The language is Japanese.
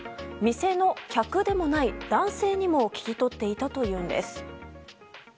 店の客でもない男性にも聞き取っていたというんです。